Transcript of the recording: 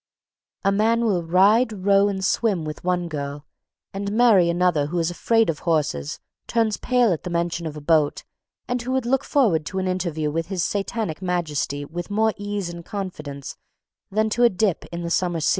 A man will ride, row, and swim with one girl and marry another who is afraid of horses, turns pale at the mention of a boat, and who would look forward to an interview with His Satanic Majesty with more ease and confidence than to a dip in the summer sea.